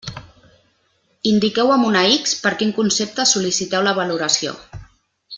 Indiqueu amb una X per quin concepte sol·liciteu la valoració.